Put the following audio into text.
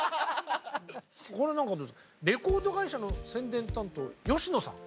これなんかレコード会社の宣伝担当吉野さん。